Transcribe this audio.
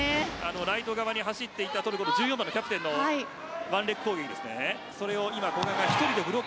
ライト側に走っていたトルコの１４番のワンレッグ攻撃ですね。